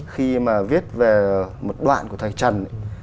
khi mà viết về một đoạn của thầy trần